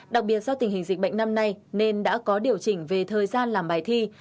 đặc biệt do tình hình dịch bệnh năm nay nên đã có điều chỉnh về thời gian làm bài thi